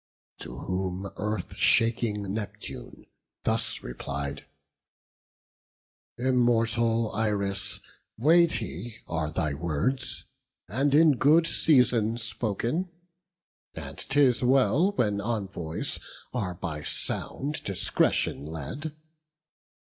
To whom Earth shaking Neptune thus replied: "Immortal Iris, weighty are thy words, And in good season spoken; and 'tis well When envoys are by sound discretion led.